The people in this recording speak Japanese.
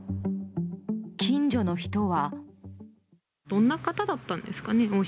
近所の人は。